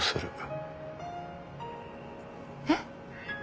えっ？